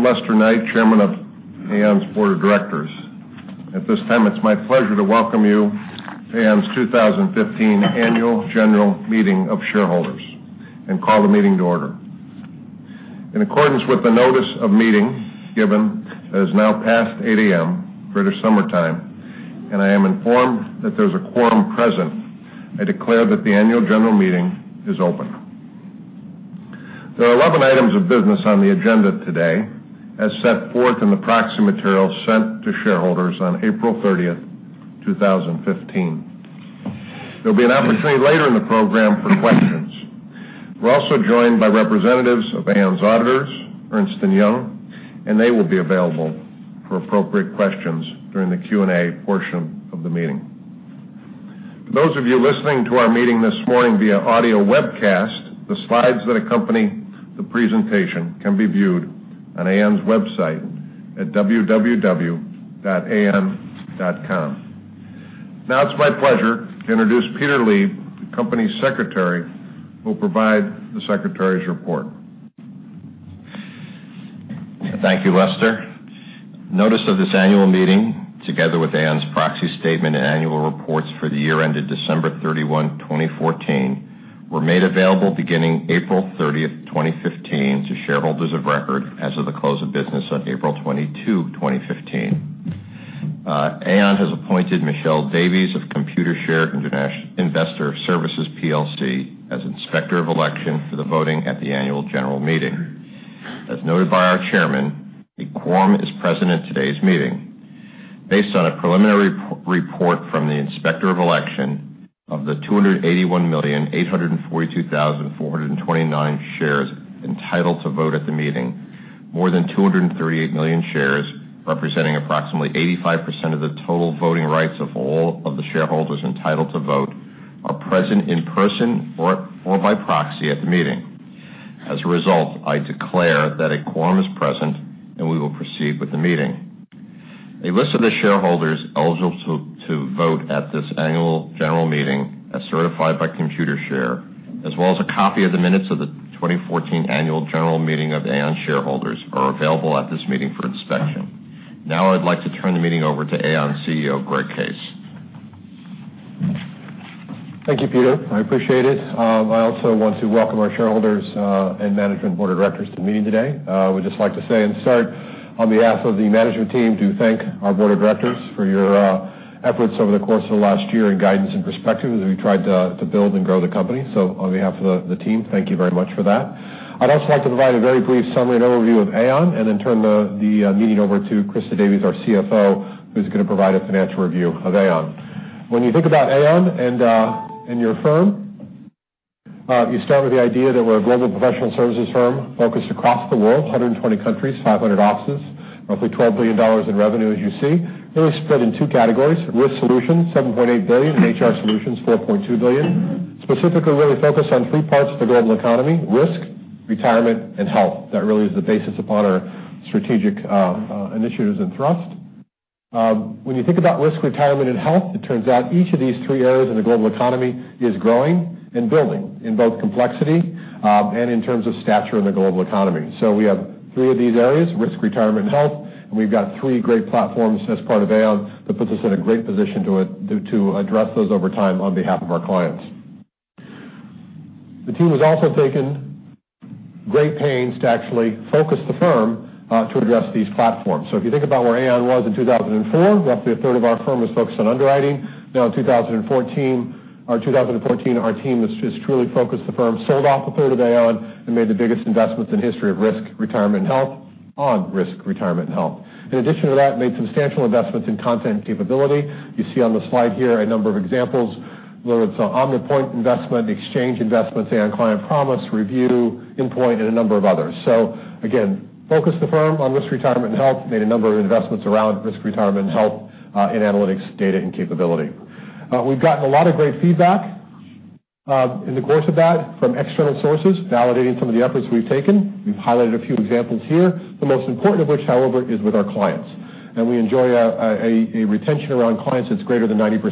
Morning. Morning. I'm Lester Knight, Chairman of Aon's Board of Directors. At this time, it's my pleasure to welcome you to Aon's 2015 Annual General Meeting of Shareholders and call the meeting to order. In accordance with the notice of meeting given, it is now past 8:00 A.M. British Summer Time. I am informed that there's a quorum present. I declare that the annual general meeting is open. There are 11 items of business on the agenda today, as set forth in the proxy material sent to shareholders on April 30, 2015. There'll be an opportunity later in the program for questions. We're also joined by representatives of Aon's auditors, Ernst & Young. They will be available for appropriate questions during the Q&A portion of the meeting. For those of you listening to our meeting this morning via audio webcast, the slides that accompany the presentation can be viewed on Aon's website at www.aon.com. Now it's my pleasure to introduce Peter Meechan, the Company Secretary, who will provide the Secretary's report. Thank you, Lester. Notice of this annual meeting, together with Aon's proxy statement and annual reports for the year ended December 31, 2014, were made available beginning April 30, 2015, to shareholders of record as of the close of business on April 22, 2015. Aon has appointed Michelle Davies of Computershare Investor Services PLC as Inspector of Election for the voting at the annual general meeting. As noted by our Chairman, a quorum is present at today's meeting. Based on a preliminary report from the Inspector of Election, of the 281,842,429 shares entitled to vote at the meeting, more than 238 million shares, representing approximately 85% of the total voting rights of all of the shareholders entitled to vote, are present in person or by proxy at the meeting. As a result, I declare that a quorum is present. We will proceed with the meeting. A list of the shareholders eligible to vote at this annual general meeting, as certified by Computershare, as well as a copy of the minutes of the 2014 annual general meeting of Aon shareholders are available at this meeting for inspection. Now I'd like to turn the meeting over to Aon CEO Greg Case. Thank you, Peter. I appreciate it. I also want to welcome our shareholders and management board of directors to the meeting today. I would just like to say and start on behalf of the management team to thank our board of directors for your efforts over the course of the last year in guidance and perspective as we tried to build and grow the company. On behalf of the team, thank you very much for that. I'd also like to provide a very brief summary and overview of Aon and then turn the meeting over to Christa Davies, our CFO, who's going to provide a financial review of Aon. When you think about Aon and your firm, you start with the idea that we're a global professional services firm focused across the world, 120 countries, 500 offices, roughly $12 billion in revenue as you see. Really split in two categories, Risk Solutions, $7.8 billion, and HR Solutions, $4.2 billion. Specifically, really focused on three parts of the global economy, risk, retirement, and health. That really is the basis upon our strategic initiatives and thrust. When you think about risk, retirement, and health, it turns out each of these three areas in the global economy is growing and building in both complexity and in terms of stature in the global economy. We have three of these areas, risk, retirement, and health, and we've got three great platforms as part of Aon that puts us in a great position to address those over time on behalf of our clients. The team has also taken great pains to actually focus the firm to address these platforms. If you think about where Aon was in 2004, roughly a third of our firm was focused on underwriting. Now in 2014, our team has truly focused the firm, sold off the third of Aon, and made the biggest investments in the history of risk, retirement, and health on risk, retirement, and health. In addition to that, made substantial investments in content capability. You see on the slide here a number of examples, whether it's OmniPoint investment, exchange investments, Aon Client Promise, Review, Employ, and a number of others. Again, focused the firm on risk, retirement, and health, made a number of investments around risk, retirement, and health in analytics, data, and capability. We've gotten a lot of great feedback in the course of that from external sources validating some of the efforts we've taken. We've highlighted a few examples here. The most important of which, however, is with our clients. We enjoy a retention around clients that's greater than 90%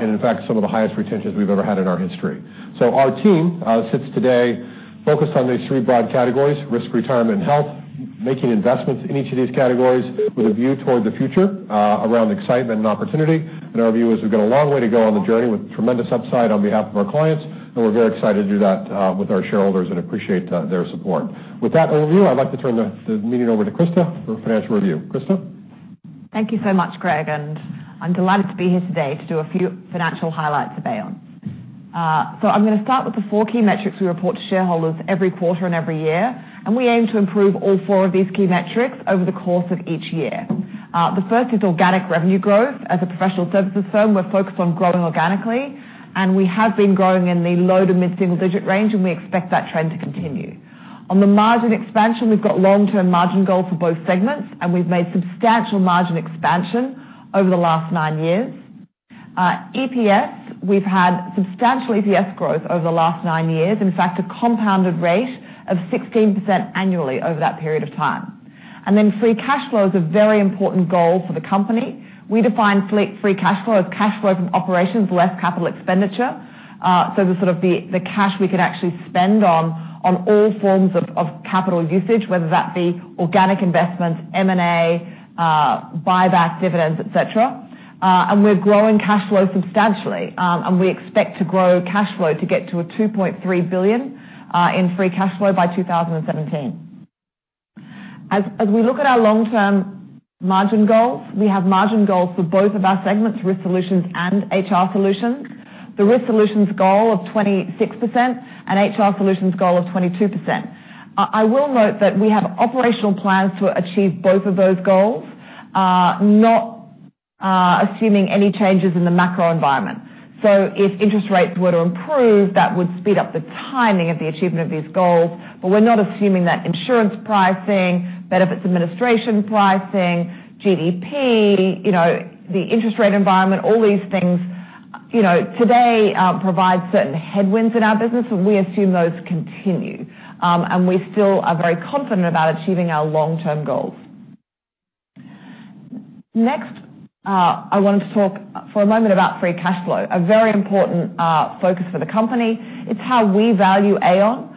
and, in fact, some of the highest retentions we've ever had in our history. Our team sits today focused on these three broad categories, risk, retirement, and health, making investments in each of these categories with a view toward the future around excitement and opportunity, and our view is we've got a long way to go on the journey with tremendous upside on behalf of our clients, and we're very excited to do that with our shareholders and appreciate their support. With that overview, I'd like to turn the meeting over to Christa for a financial review. Christa? Thank you so much, Greg, and I'm delighted to be here today to do a few financial highlights of Aon. I'm going to start with the four key metrics we report to shareholders every quarter and every year, and we aim to improve all four of these key metrics over the course of each year. The first is organic revenue growth. As a professional services firm, we're focused on growing organically, and we have been growing in the low to mid-single-digit range, and we expect that trend to continue. On the margin expansion, we've got long-term margin goals for both segments, and we've made substantial margin expansion over the last nine years. EPS, we've had substantial EPS growth over the last nine years. In fact, a compounded rate of 16% annually over that period of time. Free cash flow is a very important goal for the company. We define free cash flow as cash flow from operations less capital expenditure. The sort of the cash we could actually spend on all forms of capital usage, whether that be organic investments, M&A, buyback dividends, et cetera. We're growing cash flow substantially. We expect to grow cash flow to get to a 2.3 billion in free cash flow by 2017. As we look at our long-term margin goals, we have margin goals for both of our segments, Risk Solutions and HR Solutions. The Risk Solutions goal of 26% and HR Solutions goal of 22%. I will note that we have operational plans to achieve both of those goals, not assuming any changes in the macro environment. If interest rates were to improve, that would speed up the timing of the achievement of these goals. We're not assuming that insurance pricing, benefits administration pricing, GDP, the interest rate environment, all these things today provide certain headwinds in our business, and we assume those continue. We still are very confident about achieving our long-term goals. Next, I wanted to talk for a moment about free cash flow, a very important focus for the company. It's how we value Aon.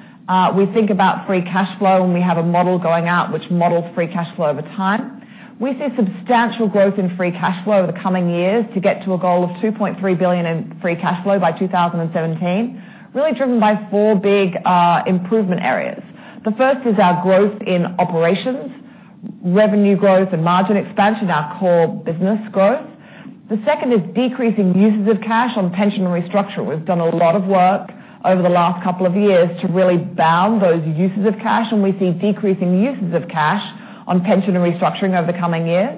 We think about free cash flow, and we have a model going out which models free cash flow over time. We see substantial growth in free cash flow over the coming years to get to a goal of 2.3 billion in free cash flow by 2017, really driven by four big improvement areas. The first is our growth in operations, revenue growth, and margin expansion, our core business growth. The second is decreasing uses of cash on pension restructure. We've done a lot of work over the last couple of years to really bound those uses of cash, and we see decreasing uses of cash on pension and restructuring over the coming years.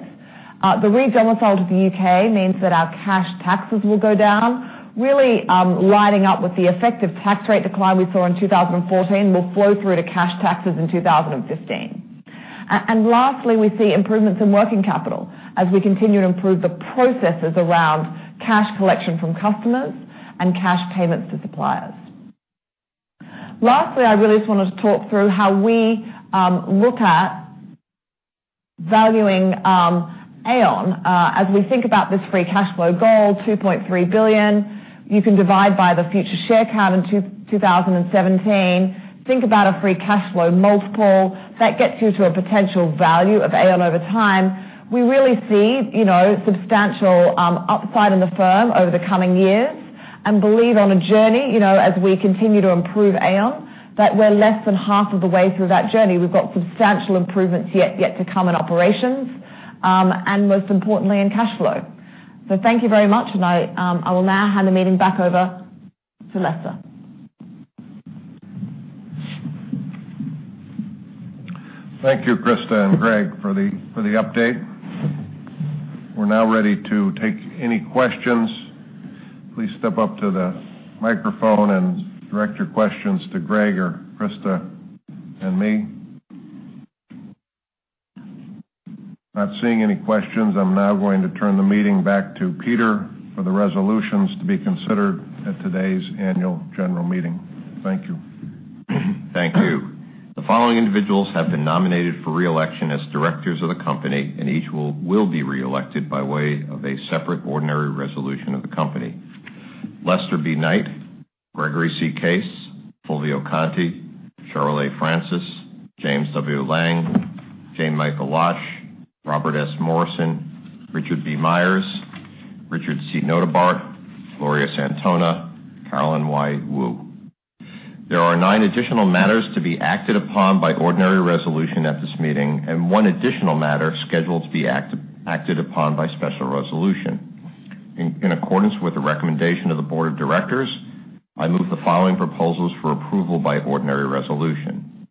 The re-domicile to the U.K. means that our cash taxes will go down, really lighting up with the effective tax rate decline we saw in 2014 will flow through to cash taxes in 2015. Lastly, we see improvements in working capital as we continue to improve the processes around cash collection from customers and cash payments to suppliers. Lastly, I really just wanted to talk through how we look at valuing Aon. As we think about this free cash flow goal, 2.3 billion, you can divide by the future share count in 2017, think about a free cash flow multiple that gets you to a potential value of Aon over time. We really see substantial upside in the firm over the coming years and believe on a journey, as we continue to improve Aon, that we're less than half of the way through that journey. We've got substantial improvements yet to come in operations, and most importantly, in cash flow. Thank you very much, and I will now hand the meeting back over to Lester. Thank you, Christa and Greg, for the update. We're now ready to take any questions. Please step up to the microphone and direct your questions to Greg or Christa and me. Not seeing any questions, I'm now going to turn the meeting back to Peter for the resolutions to be considered at today's annual general meeting. Thank you. Thank you. The following individuals have been nominated for re-election as directors of the company, and each will be re-elected by way of a separate ordinary resolution of the company. Lester B. Knight, Gregory C. Case, Fulvio Conti, Cheryl Francis, James W. Leng, J. Michael Losh, Robert S. Morrison, Richard B. Myers, Richard C. Notebaert, Gloria Santona, Carolyn Y. Woo. There are nine additional matters to be acted upon by ordinary resolution at this meeting, and one additional matter scheduled to be acted upon by special resolution. In accordance with the recommendation of the board of directors, I move the following proposals for approval by ordinary resolution.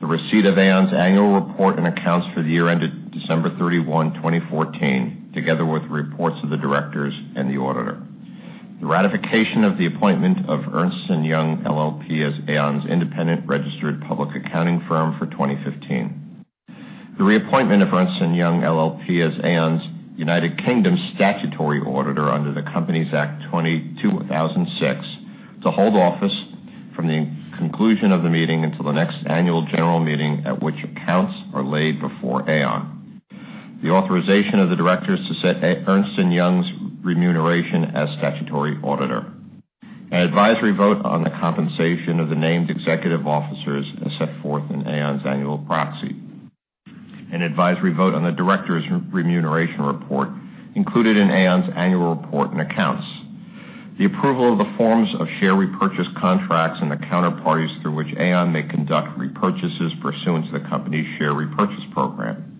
The receipt of Aon's annual report and accounts for the year ended December 31, 2014, together with reports of the directors and the auditor. The ratification of the appointment of Ernst & Young LLP as Aon's independent registered public accounting firm for 2015. The reappointment of Ernst & Young LLP as Aon's United Kingdom statutory auditor under the Companies Act 2006 to hold office from the conclusion of the meeting until the next annual general meeting at which accounts are laid before Aon. The authorization of the directors to set Ernst & Young's remuneration as statutory auditor. An advisory vote on the compensation of the named executive officers as set forth in Aon's annual proxy. An advisory vote on the directors' remuneration report included in Aon's annual report and accounts. The approval of the forms of share repurchase contracts and the counterparties through which Aon may conduct repurchases pursuant to the company's share repurchase program.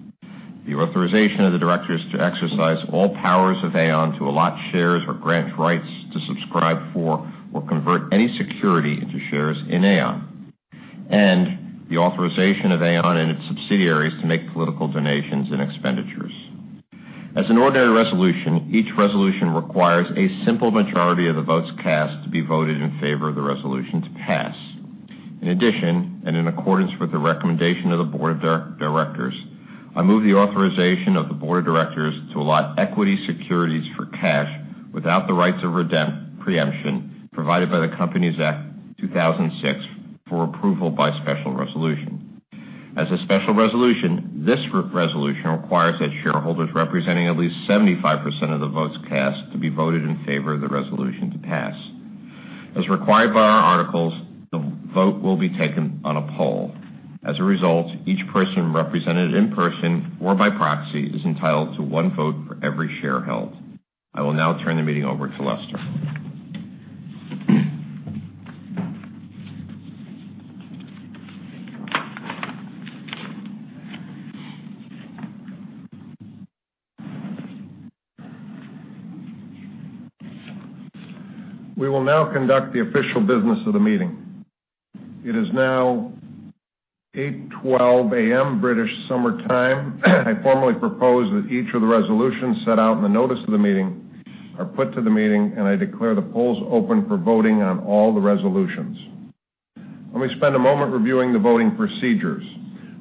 The authorization of the directors to exercise all powers of Aon to allot shares or grant rights to subscribe for or convert any security into shares in Aon. The authorization of Aon and its subsidiaries to make political donations and expenditures. As an ordinary resolution, each resolution requires a simple majority of the votes cast to be voted in favor of the resolution to pass. In addition, in accordance with the recommendation of the board of directors I move the authorization of the board of directors to allot equity securities for cash without the rights of pre-emption provided by the Companies Act 2006 for approval by special resolution. As a special resolution, this resolution requires that shareholders representing at least 75% of the votes cast to be voted in favor of the resolution to pass. As required by our articles, the vote will be taken on a poll. As a result, each person represented in person or by proxy is entitled to one vote for every share held. I will now turn the meeting over to Lester. We will now conduct the official business of the meeting. It is now 8:12 A.M. British Summer Time. I formally propose that each of the resolutions set out in the notice of the meeting are put to the meeting, and I declare the polls open for voting on all the resolutions. Let me spend a moment reviewing the voting procedures.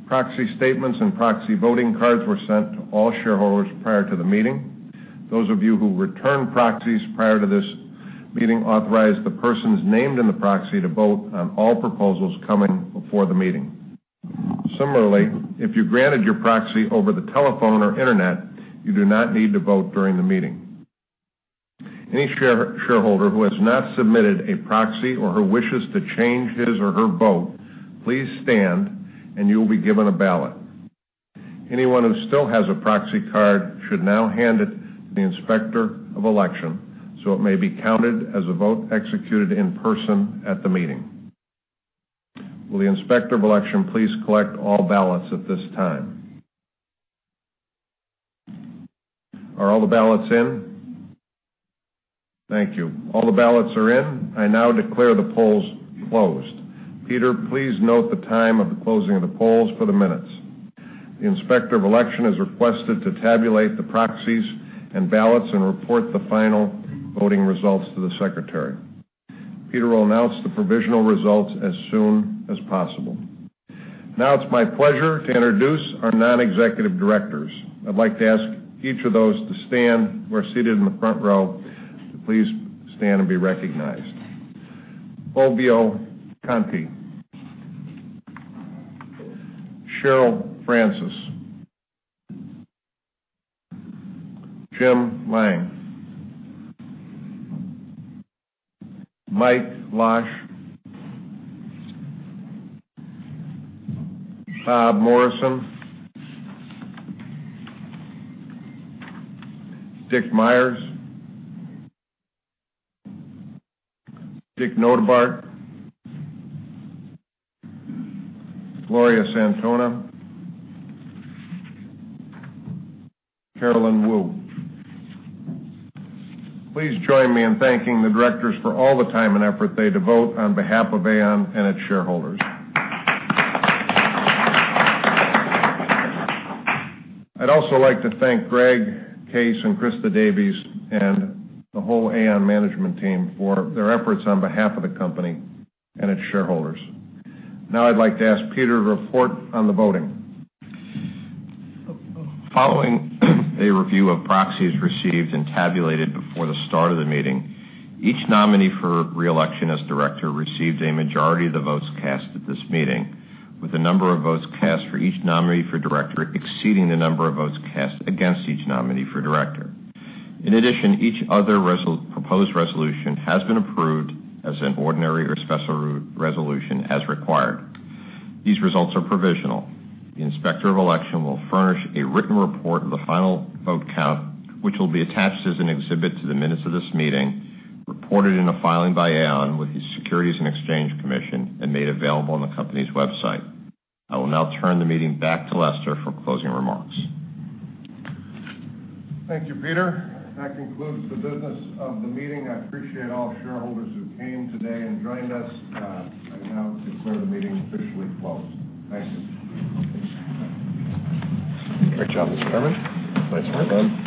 Proxy statements and proxy voting cards were sent to all shareholders prior to the meeting. Those of you who returned proxies prior to this meeting authorized the persons named in the proxy to vote on all proposals coming before the meeting. Similarly, if you granted your proxy over the telephone or internet, you do not need to vote during the meeting. Any shareholder who has not submitted a proxy or who wishes to change his or her vote, please stand and you will be given a ballot. Anyone who still has a proxy card should now hand it to the Inspector of Election so it may be counted as a vote executed in person at the meeting. Will the Inspector of Election please collect all ballots at this time. Are all the ballots in? Thank you. All the ballots are in. I now declare the polls closed. Peter, please note the time of the closing of the polls for the minutes. The Inspector of Election is requested to tabulate the proxies and ballots and report the final voting results to the secretary. Peter will announce the provisional results as soon as possible. Now it's my pleasure to introduce our non-executive directors. I'd like to ask each of those who are seated in the front row to please stand and be recognized. Fulvio Conti. Cheryl Francis. Jim Leng. Mike Losh. Bob Morrison. Dick Myers. Dick Notebaert. Gloria Santona. Carolyn Woo. Please join me in thanking the directors for all the time and effort they devote on behalf of Aon and its shareholders. I'd also like to thank Greg Case and Christa Davies and the whole Aon management team for their efforts on behalf of the company and its shareholders. I'd like to ask Peter to report on the voting. Following a review of proxies received and tabulated before the start of the meeting, each nominee for re-election as director received a majority of the votes cast at this meeting, with the number of votes cast for each nominee for director exceeding the number of votes cast against each nominee for director. In addition, each other proposed resolution has been approved as an ordinary or special resolution as required. These results are provisional. The Inspector of Election will furnish a written report of the final vote count, which will be attached as an exhibit to the minutes of this meeting, reported in a filing by Aon with the Securities and Exchange Commission, and made available on the company's website. I will turn the meeting back to Lester for closing remarks. Thank you, Peter. That concludes the business of the meeting. I appreciate all shareholders who came today and joined us. I declare the meeting officially closed. Thank you. Great job, Mr. Chairman. Nice work.